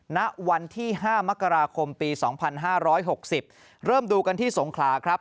ณวันที่ห้ามกราคมปีสองพันห้าร้อยหกสิบเริ่มดูกันที่สงขลาครับ